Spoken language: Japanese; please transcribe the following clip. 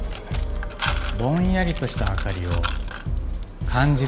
ぼんやりとした明かりを感じる事ができます。